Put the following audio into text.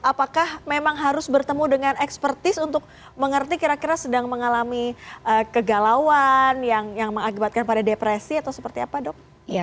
apakah memang harus bertemu dengan ekspertis untuk mengerti kira kira sedang mengalami kegalauan yang mengakibatkan pada depresi atau seperti apa dok